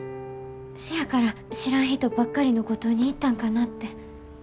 せやから知らん人ばっかりの五島に行ったんかなって。